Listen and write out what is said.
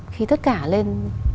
khi tất cả lên